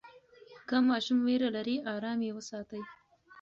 که ماشوم ویره لري، آرام یې وساتئ.